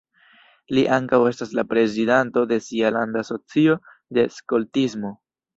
Li ankaŭ estas la prezidanto de sia landa asocio de skoltismo.